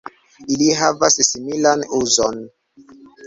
Ili havas similan uzon.